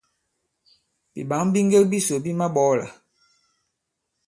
Bìɓǎŋ bi ŋgek bisò bi maɓɔɔlà.